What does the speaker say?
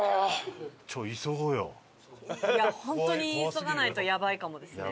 本当に急がないとやばいかもですね。